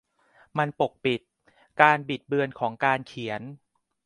มันปกปิด 'การบิดเบือนของการเขียน'